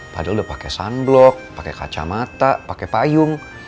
padahal udah pakai sunblock pakai kacamata pakai payung